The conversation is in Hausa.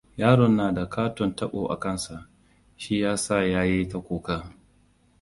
Yaron na da ƙaton tabo a kansa. Shi ya sa ya yi ta kuka!